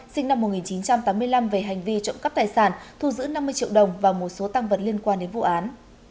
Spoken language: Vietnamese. sinh năm một nghìn chín trăm tám mươi năm về hành vi trộm cắp tài sản thu giữ năm mươi triệu đồng và một số tăng vật liên quan đến vụ án